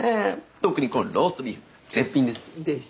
特にこのローストビーフ絶品です！でしょう？